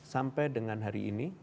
sampai dengan hari ini